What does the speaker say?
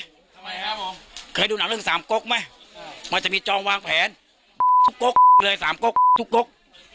ทำไมครับผมเคยดูนักเล่นสามโก๊คไม่มันจะมีจองวางแผนโก๊คเลยสามโก๊คแต่สุกกรก